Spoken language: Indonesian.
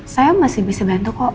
saya masih bisa bantu kok